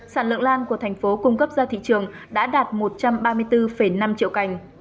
sản lượng lan của thành phố cung cấp ra thị trường đã đạt một trăm ba mươi bốn năm triệu cành